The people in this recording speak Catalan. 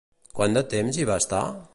Quant de temps hi va estar?